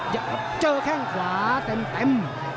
อย่าเจอแข้งขวาเต็ม